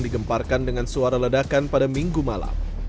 digemparkan dengan suara ledakan pada minggu malam